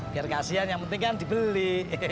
biar kasihan yang penting kan dibeli